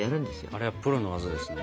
あれはプロの技ですね。